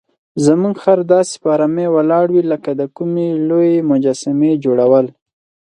زموږ خر داسې په آرامۍ ولاړ وي لکه د کومې لویې مجسمې جوړول.